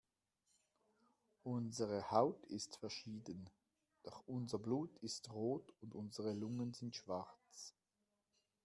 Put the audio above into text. Unsere Haut ist verschieden, doch unser Blut ist rot und unsere Lungen sind schwarz.